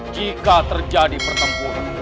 jika terjadi pertempuran